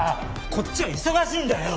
こっちは忙しいんだよ！